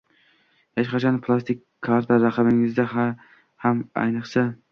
Hech qachon plastik karta raqamingizni ham va ayniqsa